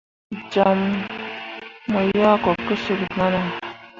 Jam mu yah ko kecil mana.